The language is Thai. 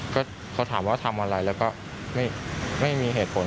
ก็เขาถามว่าทำอะไรแล้วก็ไม่มีเหตุผล